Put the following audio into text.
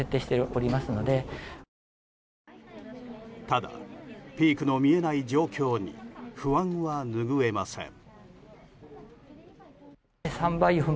ただ、ピークの見えない状況に不安は拭えません。